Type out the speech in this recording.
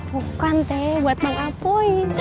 bukan teh buat mang apoi